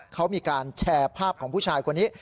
เขามีการแชร์ภาพของผู้ชายคนนี้